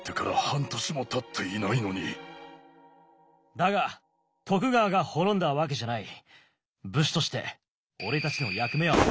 だが徳川が滅んだわけじゃない。